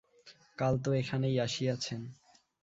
কাল তো এখানেই আসিয়াছেন।